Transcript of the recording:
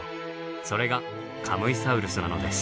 それがカムイサウルスなのです。